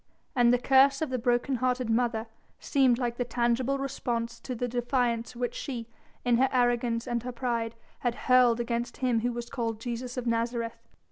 And the curse of the broken hearted mother seemed like the tangible response to the defiance which she, in her arrogance and her pride, had hurled against him who was called Jesus of Nazareth.